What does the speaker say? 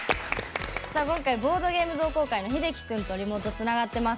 今回、ボードゲーム同好会のヒデキ君とリモートつながっています。